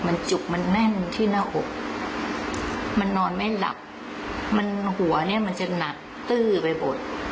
มันจุกมันแน่นที่หน้าอกมันนอนไม่หลับมันหัวเนี่ยมันจะหนักตื้อไปหมด